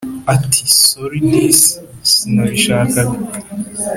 Ati ‘’sorry disi sinabishakaga’’